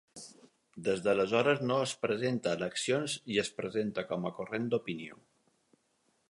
Des d'aleshores no es presenta a eleccions i es presenta com a corrent d'opinió.